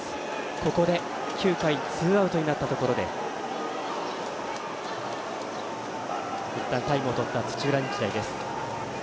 ここで、９回ツーアウトになったところでいったんタイムをとった土浦日大です。